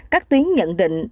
các tuyến nhận định